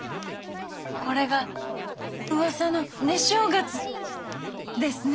これがうわさの寝正月ですね。